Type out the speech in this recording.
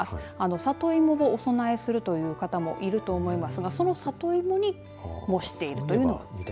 里芋をお供えするという方もいると思いますがその里芋に模しているという。